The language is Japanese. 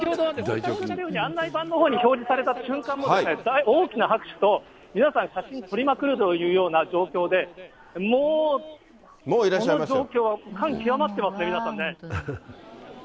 案内板のほうに表示された瞬間も、大きな拍手と、皆さん、写真撮りまくるというような状況で、もうこの状況は感極まってますね、皆さんね。